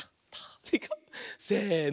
せの。